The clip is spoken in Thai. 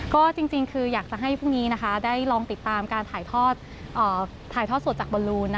ก็จริงคืออยากจะให้พรุ่งนี้ได้ลองติดตามการถ่ายทอดสดจากบอลลูน